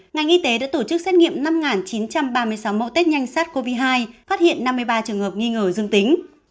ngành y tế đã tổ chức xét nghiệm năm chín trăm ba mươi sáu mẫu test nhanh sát covid hai phát hiện năm mươi ba trường hợp nghi ngờ dương tính